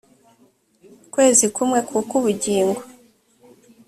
kwezi kumwe v kuko ubugingo